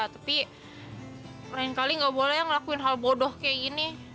tapi lain kali gak boleh yang ngelakuin hal bodoh kayak gini